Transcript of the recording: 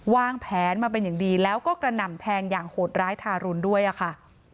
วางแผนมาเป็นอย่างดีแล้วก็กระหน่ำแทงอย่างโหดร้ายทารุณด้วยอะค่ะ